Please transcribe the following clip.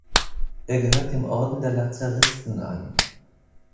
Er gehört dem Orden der Lazaristen an.